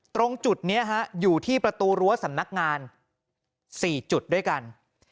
ตรงจุดนี้อยู่ที่ประตูรั้วสำนักงาน๔จุดด้วยกัน